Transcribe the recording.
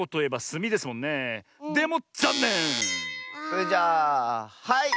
それじゃあはい！